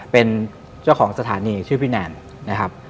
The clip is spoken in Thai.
เป็นเจ้าของสถานีชื่อพี่แนนนะครับ